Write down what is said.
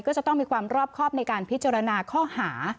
ก็จะต้องมีความรอบครอบในการพิจารณาข้อหา